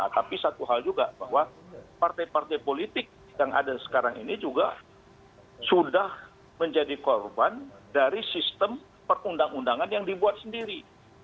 tapi satu hal juga bahwa partai partai politik yang ada sekarang ini juga sudah menjadi korban dari sistem perundang undangan yang dibuat sendiri